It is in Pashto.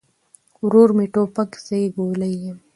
ورور مې توپک، زه يې ګولۍ يم